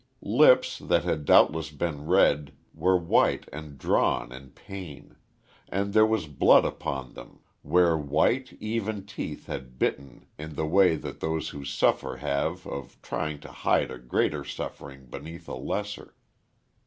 Lips that doubtless had been red were white and drawn in pain; and there was blood upon them, where white, even teeth had bitten in the way that those who suffer have of trying to hide a greater suffering beneath a lesser.